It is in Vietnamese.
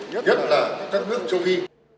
nhất là các nước châu phi